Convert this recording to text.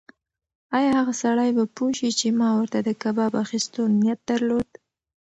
ایا هغه سړی به پوه شي چې ما ورته د کباب اخیستو نیت درلود؟